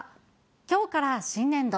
きょうから新年度。